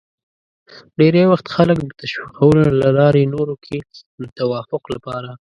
ډېری وخت خلک د تشویقولو له لارې نورو کې د توافق لپاره